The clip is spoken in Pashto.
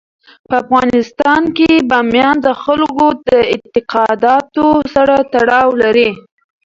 په افغانستان کې بامیان د خلکو د اعتقاداتو سره تړاو لري.